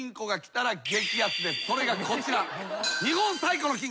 それがこちら。